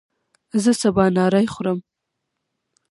زه سبا نهاری خورم